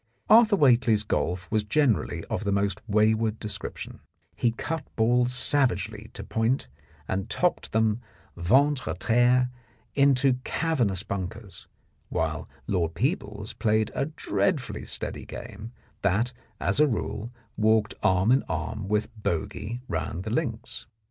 Arthur Whately's golf was generally of the most wayward description; he cut balls savagely to point and topped them ventre a terre into cavernous bunkers, while Lord Peebles played a dreadfully steady game, that, as a rule, walked arm in arm with bogey round the links.